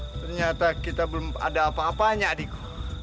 ternyata kita belum ada apa apanya adikku